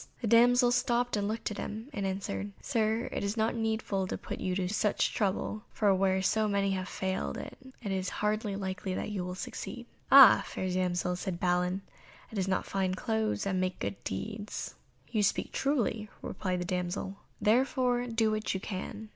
The damsel stopped and looked at him, and answered, "Sir, it is not needful to put you to such trouble, for where so many have failed it is hardly likely that you will succeed." "Ah! fair damsel," said Balin, "it is not fine clothes that make good deeds." "You speak truly," replied the damsel, "therefore do what you can."